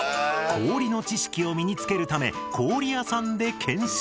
氷の知識を身につけるため氷屋さんで研修！